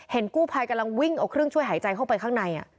กู้ภัยกำลังวิ่งเอาเครื่องช่วยหายใจเข้าไปข้างใน